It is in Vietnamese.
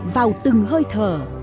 vào từng hơi thở